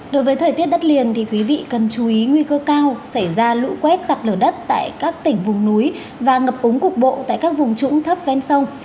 đối với thời tiết đất liền thì quý vị cần chú ý nguy cơ cao xảy ra lũ quét sạt lở đất tại các tỉnh vùng núi và ngập úng cục bộ tại các vùng trũng thấp ven sông